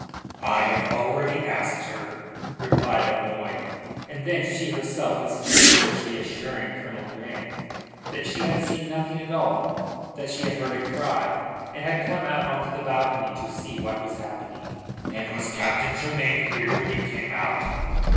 "I have already asked her," replied O'Moy. And then she herself was feverishly assuring Colonel Grant that she had seen nothing at all, that she had heard a cry and had come out on to the balcony to see what was happening. "And was Captain Tremayne here when you came out?"